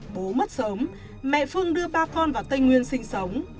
bố mất sớm mẹ phương đưa ba con vào tây nguyên sinh sống